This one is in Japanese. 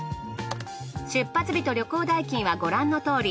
出発日と旅行代金はご覧のとおり。